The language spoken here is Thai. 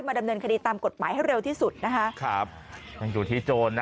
ดำเนินคดีตามกฎหมายให้เร็วที่สุดนะคะครับยังอยู่ที่โจรนะ